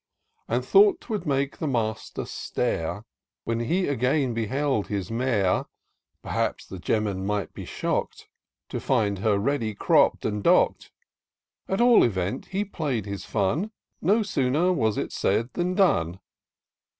23 And thought 'twould make the master stare, When he again beheld his mare, (Perhaps the gem'man might be shockt) To find her ready cropt and dockt : At all events, he play'd his fim : No sooner was it said than done.